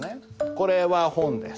「これは本です」